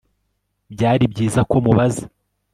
Byari byiza ko mubaza